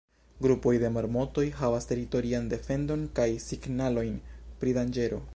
Grupoj de marmotoj havas teritorian defendon kaj signalojn pri danĝero.